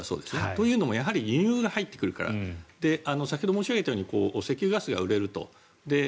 というのも輸入が入ってくるから先ほど申し上げたように石油ガスが売れると。